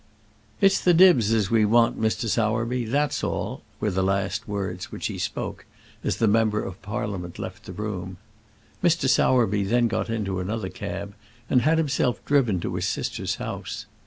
"It's the dibs as we want, Mr. Sowerby; that's all," were the last words which he spoke as the member of Parliament left the room. Mr. Sowerby then got into another cab, and had himself driven to his sister's house.